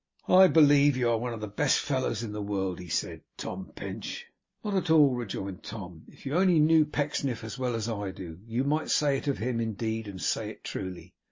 'I believe you are one of the best fellows in the world,' he said, 'Tom Pinch.' 'Not at all,' rejoined Tom. 'If you only knew Pecksniff as well as I do, you might say it of him, indeed, and say it truly.